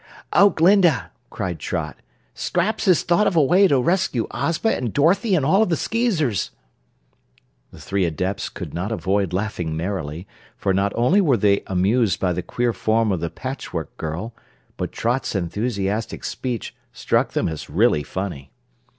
"Oh, Glinda," cried Trot, "Scraps has thought of a way to rescue Ozma and Dorothy and all of the Skeezers." The three Adepts could not avoid laughing merrily, for not only were they amused by the queer form of the Patchwork Girl, but Trot's enthusiastic speech struck them as really funny.